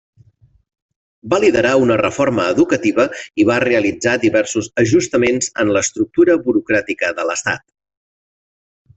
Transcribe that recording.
Va liderar una reforma educativa i va realitzar diversos ajustaments en l'estructura burocràtica de l'Estat.